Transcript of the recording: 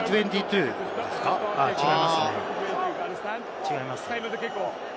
違いますね。